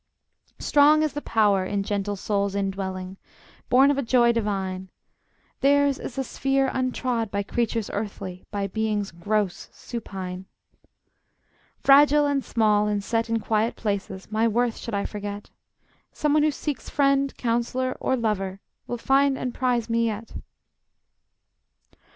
Strong is the power in gentle souls indwelling, Born of a joy divine; Theirs is a sphere untrod by creatures earthly, By beings gross, supine. Fragile and small, and set in quiet places, My worth should I forget? Some one who seeks friend, counselor, or lover, Will find and prize me yet.